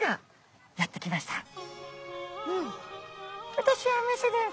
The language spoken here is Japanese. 「私は雌です。